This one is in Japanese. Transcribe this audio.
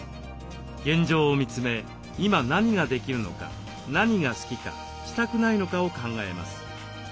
現状を見つめ今何ができるのか何が好きかしたくないのかを考えます。